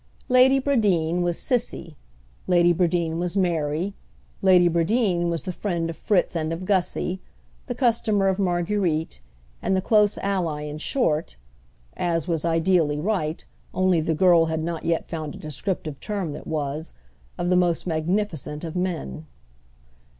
Lady Bradeen was Cissy, Lady Bradeen was Mary, Lady Bradeen was the friend of Fritz and of Gussy, the customer of Marguerite, and the close ally in short (as was ideally right, only the girl had not yet found a descriptive term that was) of the most magnificent of men.